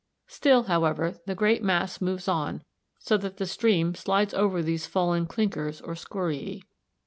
Still, however, the great mass moves on, so that the stream slides over these fallen clinkers or scoriæ.